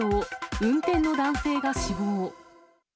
運転の男性が死亡。